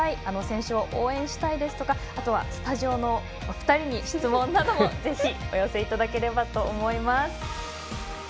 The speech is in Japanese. あの選手を応援したいですとかスタジオのお二人に質問などもぜひお寄せいただければと思います。